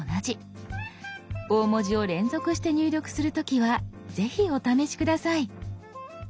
大文字を連続して入力する時はぜひお試し下さい。